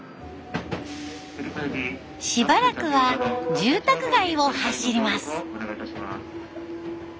しばらくは住宅街を走ります。